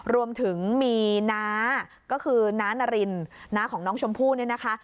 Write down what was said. รวมถึงมีณคือณนารินณของน้องชมพู่เนี่ยนะคะ